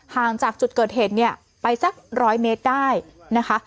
ห่างจากจุดเกิดเห็นไปสัก๑๐๐เมตรได้นะคะ